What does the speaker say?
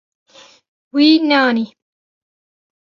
Wî neanî.